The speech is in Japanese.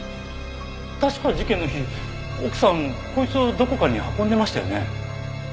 確か事件の日奥さんこいつをどこかに運んでましたよね？